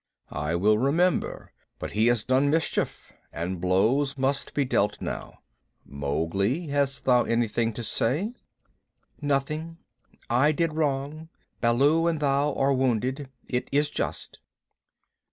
"I will remember. But he has done mischief, and blows must be dealt now. Mowgli, hast thou anything to say?" "Nothing. I did wrong. Baloo and thou are wounded. It is just."